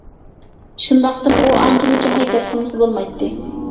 شۇنداقتىمۇ ئۇ ئانچە-مۇنچە ھەرىكەت قىلمىسا بولمايتتى.